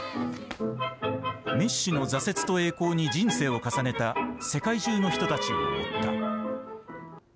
メッシの挫折と栄光に人生を重ねた世界中の人たちを追った。